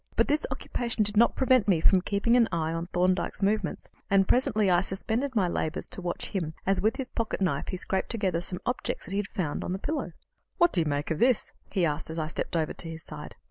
But this occupation did not prevent me from keeping an eye on Thorndyke's movements, and presently I suspended my labours to watch him as, with his pocket knife, he scraped together some objects that he had found on the pillow. "What do you make of this?" he asked, as I stepped over to his side.